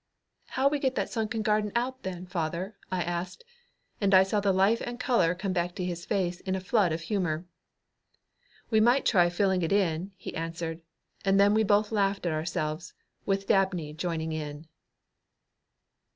"How'll we get that sunken garden out, then, father?" I asked, and I saw the life and color come back to his face in a flood of humor. "We might try filling it in," he answered, and then we both laughed at ourselves, with Dabney joining in.